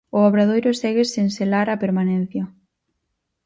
O Obradoiro segue sen selar a permanencia.